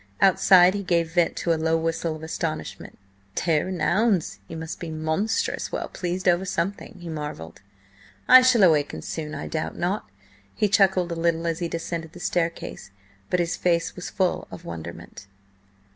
Outside he gave vent to a low whistle of astonishment. "Tare an' ouns! he must be monstrous well pleased over something!" he marvelled. "I shall awaken soon, I doubt not." He chuckled a little as he descended the staircase, but his face was full of wonderment.